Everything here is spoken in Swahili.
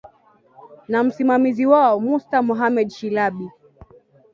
na msimamizi wao mustar mohamed shilabi